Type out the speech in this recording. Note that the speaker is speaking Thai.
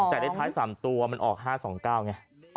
แต่เลขท้าย๓ตัวมันออก๕๒๙ไง